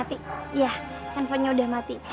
iya handphonenya udah mati